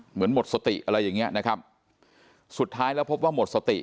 หมดสติอะไรอย่างเงี้ยนะครับสุดท้ายแล้วพบว่าหมดสติ